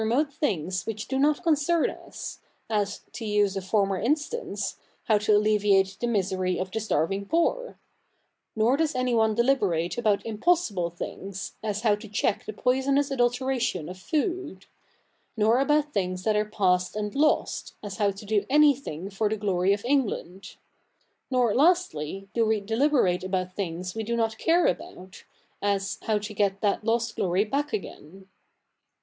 note things 7vhich do fiot concern us, as, to use a former instafice, how to alleviate the misery of the starving poor ; Jior does anyone deliberate about impossible things, as how to check the poisonous adulteration of food ; nor about thi?igs that are past and lost, as how to do anything for the glo?y of England ; nor, lastly, do we deliberate about things we do not care about, as how to get that lost glory back again.